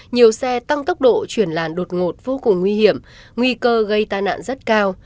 nhiều xe tăng tốc độ chuyển làn đột ngột vô cùng nguy hiểm nguy cơ gây tai nạn rất cao